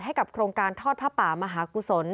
โครงการทอดผ้าป่ามหากุศล